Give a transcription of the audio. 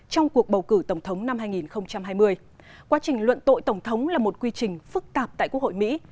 trong cuộc bầu cử tổng thống năm hai nghìn hai mươi quá trình luận tội tổng thống là một quy trình phức tạp tại quốc hội mỹ